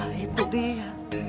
nah itu dia